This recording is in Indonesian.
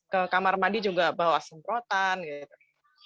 ke kamar mandi juga bawa semprotan gitu